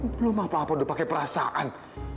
belum apa apa udah pakai perasaan